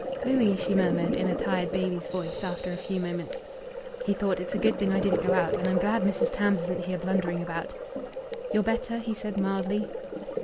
"Louis!" she murmured in a tired baby's voice, after a few moments. He thought: "It's a good thing I didn't go out, and I'm glad Mrs. Tarns isn't here blundering about." "You're better?" he said mildly.